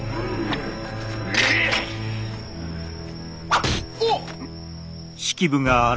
あっ！